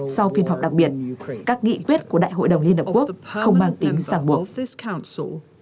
sau phiên họp đặc biệt các nghị quyết của đại hội đồng liên hợp quốc không mang tính giảng buộc